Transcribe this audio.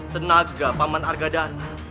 tenaga paman argadana